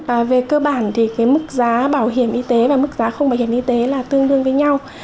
và về cơ bản thì cái mức giá bảo hiểm y tế và mức giá không bảo hiểm y tế là tương đương với nhau